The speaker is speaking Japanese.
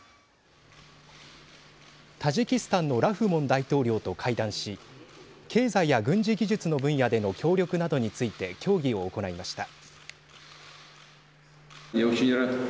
タジキスタンのラフモン大統領と会談し経済や軍事技術の分野での協力などについて協議を行いました。